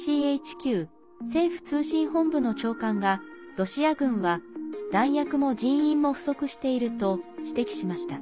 ＧＣＨＱ＝政府通信本部の長官がロシア軍は弾薬も人員も不足していると指摘しました。